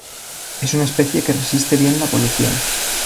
Es una especie que resiste bien la polución.